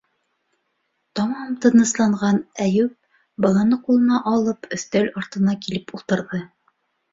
Тамам тынысланған Әйүп, баланы ҡулына алып, өҫтәл артына килеп ултырҙы.